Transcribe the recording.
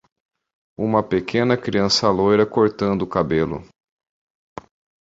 Uma pequena criança loira cortando o cabelo